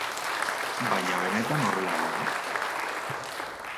Baina benetan horrela al da?